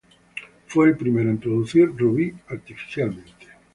Fue el primero en producir rubí artificialmente.